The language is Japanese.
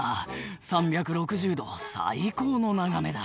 「３６０度最高の眺めだ」